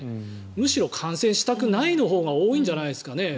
むしろ感染したくないのほうが多いんじゃないんですかね。